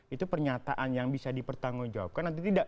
itu pernyataan yang bisa dipertanggung jawabkan atau tidak